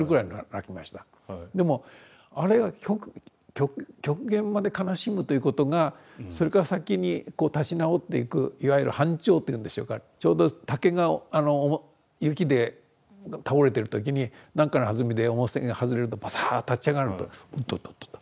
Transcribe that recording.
でもあれは極限まで悲しむということがそれから先にこう立ち直っていくいわゆる反跳というんでしょうかちょうど竹が雪で倒れてる時に何かのはずみでおもしが外れるとバサーッと立ち上がるとおっとっとっとっと。